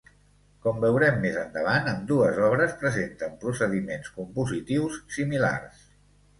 Com veurem més endavant, ambdues obres presenten procediments compositius similars.